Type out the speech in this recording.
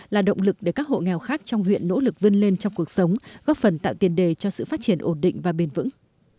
là động lực để các hộ nghèo khác trong huyện nỗ lực vươn lên trong cuộc sống góp phần tạo tiền đề cho sự phát triển ổn định và bền vững